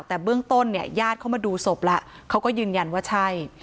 แต่เบื้องต้นเนี่ยญาติเขามาดูศพแล้วเขาก็ยืนยันว่าใช่